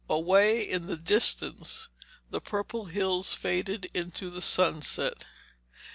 Away in the distance the purple hills faded into the sunset sky.